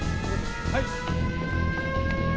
はい！